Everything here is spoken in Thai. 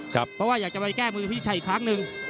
เพราะว่าอยากจะไปแก้มือกับพี่ชัยอีกครั้งหนึ่ง